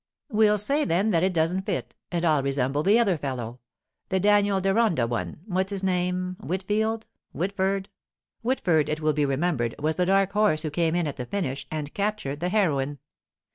'We'll say, then, that it doesn't fit, and I'll resemble the other fellow—the Daniel Deronda one—what's his name, Whitfield, Whitford?' (Whitford, it will be remembered, was the dark horse who came in at the finish and captured the heroine.)